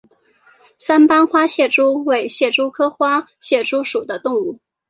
三斑花蟹蛛为蟹蛛科花蟹蛛属的动物。